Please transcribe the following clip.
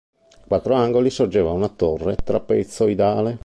Ai quattro angoli sorgeva una torre trapezoidale.